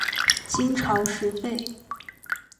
金朝时废。